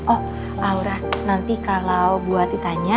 oh aura nanti kalau buat ditanya